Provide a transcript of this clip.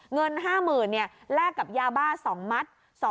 เงิน๕๐๐๐แลกกับยาบ้า๒มัด